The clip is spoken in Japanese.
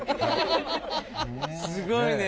すごいね。